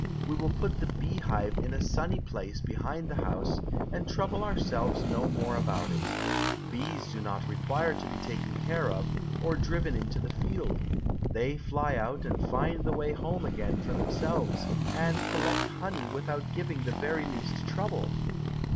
We will put the beehive in a sunny place behind the house, and trouble ourselves no more about it. Bees do not require to be taken care of, or driven into the field; they fly out and find the way home again for themselves, and collect honey without giving the very least trouble."